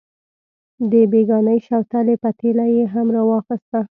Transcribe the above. د بېګانۍ شوتلې پتیله یې هم راواخیسته.